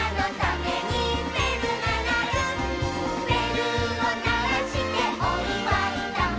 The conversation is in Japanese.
「べるをならしておいわいだ」